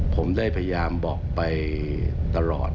ผมได้พยายามบอกไปตลอด